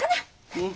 うん。